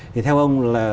thì theo ông là